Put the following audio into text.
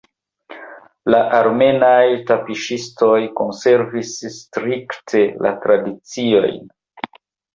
La armenaj tapiŝistoj konservis strikte la tradiciojn.